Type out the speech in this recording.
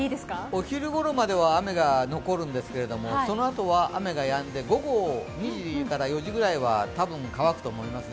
お昼ごろまでは雨が残るんですけれども、そのあとは雨がやんで、午後２時から４時くらいは多分乾くと思います。